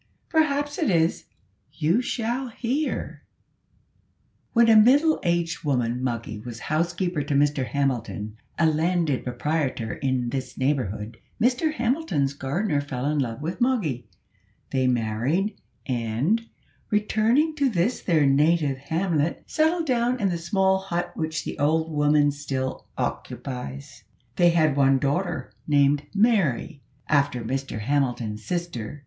"Perhaps it is. You shall hear: "When a middle aged woman, Moggy was housekeeper to Mr Hamilton, a landed proprietor in this neighbourhood. Mr Hamilton's gardener fell in love with Moggy; they married, and, returning to this their native hamlet, settled down in the small hut which the old woman still occupies. They had one daughter, named Mary, after Mr Hamilton's sister.